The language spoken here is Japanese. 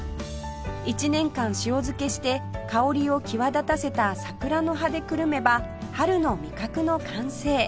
１年間塩漬けして香りを際立たせた桜の葉でくるめば春の味覚の完成